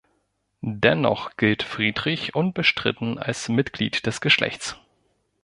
Dennoch gilt Friedrich unbestritten als Mitglied des Geschlechts.